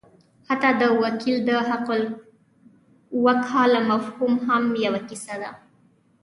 حتی د وکیل د حقالوکاله مفهوم هم یوه کیسه ده.